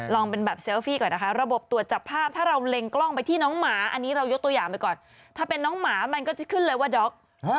ลองเป็นแบบเซลฟี่ก่อนนะคะระบบตรวจจับภาพถ้าเราเล็งกล้องไปที่น้องหมาอันนี้เรายกตัวอย่างไปก่อนถ้าเป็นน้องหมามันก็จะขึ้นเลยว่าด๊อก